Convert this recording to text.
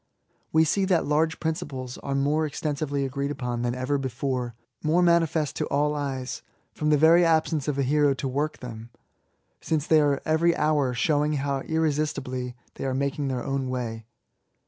We see that large principles are more extensively agreed upon than ever before — ^more manifest to all eyeSf from the very absence of a hero to work them^ since they are every hour showing how irresistibly they are making their own way.